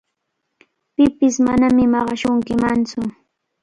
Pipish manami maqashunkimantsu.